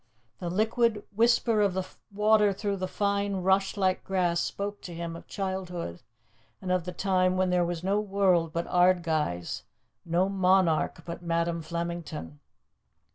The liquid whisper of the water through the fine, rushlike grass spoke to him of childhood and of the time when there was no world but Ardguys, no monarch but Madam Flemington.